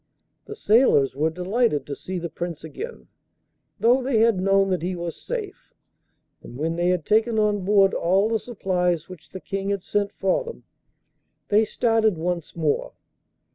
The sailors were delighted to see the Prince again, though they had known that he was safe, and when they had taken on board all the supplies which the King had sent for them, they started once more.